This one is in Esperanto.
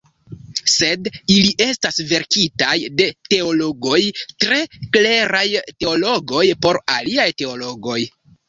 Sed ili estas verkitaj de teologoj, tre kleraj teologoj, por aliaj teologoj.